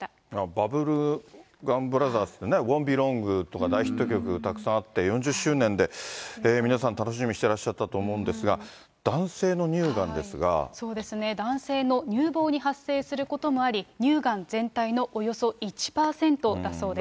バブルガムブラザーズってね、ウォンビーロングとか大ヒット曲、たくさんあって、４０周年で、皆さん楽しみにしてらっしゃったと思うんですが、男性の乳がんでそうですね、男性の乳房に発生することもあり、乳がん全体のおよそ１％だそうです。